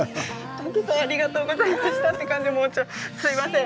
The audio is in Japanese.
たくさんありがとうございましたという感じですみません